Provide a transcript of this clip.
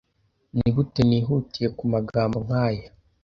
Nigute nihutiye kumagambo nkaya